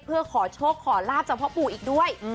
เพื่อขอโชคขอลาบจากพ่อปู่อีกด้วย